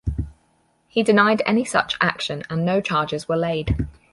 He denied any such action and no charges were laid.